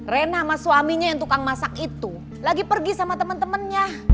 rena sama suaminya yang tukang masak itu lagi pergi sama temen temennya